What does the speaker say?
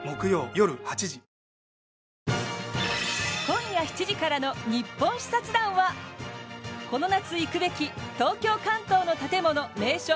今夜７時からの「ニッポン視察団」はこの夏行くべき東京・関東の建もの名所